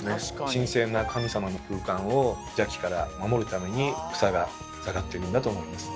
神聖な神様の空間を邪気から守るために房が下がってるんだと思います。